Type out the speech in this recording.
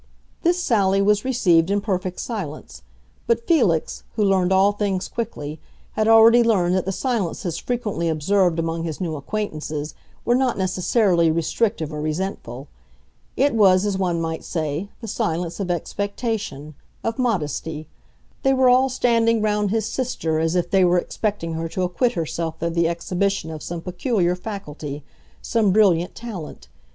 This sally was received in perfect silence, but Felix, who learned all things quickly, had already learned that the silences frequently observed among his new acquaintances were not necessarily restrictive or resentful. It was, as one might say, the silence of expectation, of modesty. They were all standing round his sister, as if they were expecting her to acquit herself of the exhibition of some peculiar faculty, some brilliant talent.